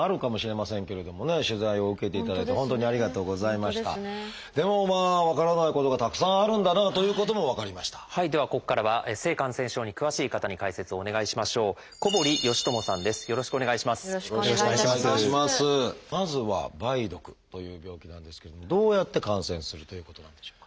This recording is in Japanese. まずは「梅毒」という病気なんですけれどもどうやって感染するということなんでしょうか？